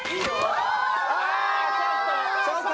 ああちょっと！